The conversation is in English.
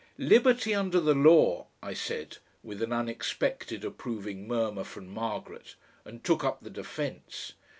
"Liberty under the law," I said, with an unexpected approving murmur from Margaret, and took up the defence.